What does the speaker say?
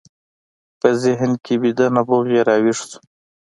په ذهن کې ويده نبوغ يې را ويښ شو.